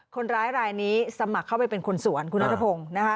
คนร้ายรายนี้สมัครเข้าไปเป็นคนสวนคุณนัทพงศ์นะคะ